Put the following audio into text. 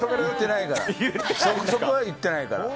そこは言ってないから。